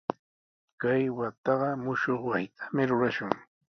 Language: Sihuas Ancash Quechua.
Kay wataqa mushuq wasitami rurashun.